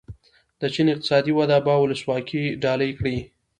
د چین اقتصادي وده به ولسواکي ډالۍ کړي.